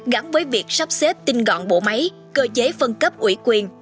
gắn với việc sắp xếp tinh gọn bộ máy cơ chế phân cấp ủy quyền